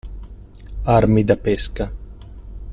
Armi da pesca.